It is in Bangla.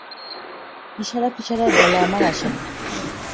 ইশারাফিশারায় বলা আমার আসে না।